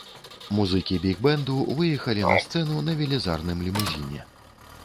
Музыкі біг-бэнду выехалі на сцэну на велізарным лімузіне.